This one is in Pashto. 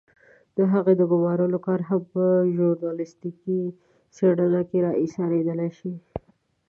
د هغې د ګمارلو کار هم په ژورنالستيکي څېړنه کې را اېسارېدلای شي.